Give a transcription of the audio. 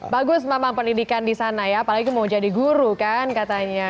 bagus memang pendidikan di sana ya apalagi mau jadi guru kan katanya